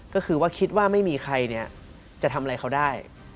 ก็คือว่าคิดว่าไม่มีใครเนี่ยจะทำอะไรเขาได้